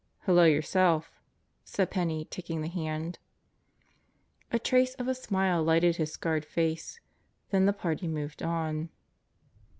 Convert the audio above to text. "Hello, yourself," said Penney taking the hand. A trace of a smile lighted his scarred face. Then the party moved on.